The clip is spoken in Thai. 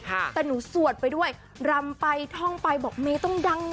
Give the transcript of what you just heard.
แต่หนูสวดไปด้วยรำไปท่องไปบอกเมย์ต้องดังนะ